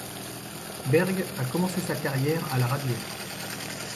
Berg a commencé sa carrière à la radio.